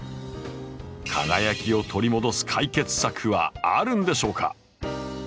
輝きを取り戻す解決策はあるんでしょうか？